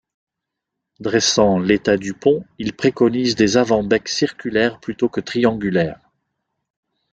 Dressant l'état du pont, il préconise des avant-becs circulaires plutôt que triangulaires.